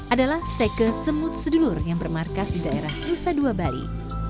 adalah seke semut sedulur yang bermarkas di daerah nusa dua bali